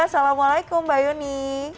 assalamualaikum mbak yuni